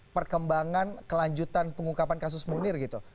perkembangan kelanjutan pengungkapan kasus munir gitu